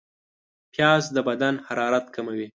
پیاز د بدن حرارت کموي